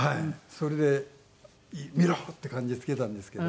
それで見ろっていう感じでつけたんですけど。